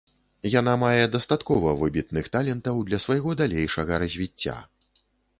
Яна мае дастаткова выбітных талентаў для свайго далейшага развіцця.